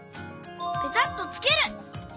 ペタッとつける。